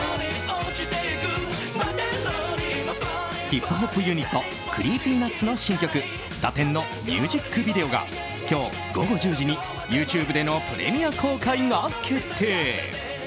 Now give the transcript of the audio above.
ヒップホップユニットＣｒｅｅｐｙＮｕｔｓの新曲「堕天」のミュージックビデオが今日午後１０時にＹｏｕＴｕｂｅでのプレミア公開が決定。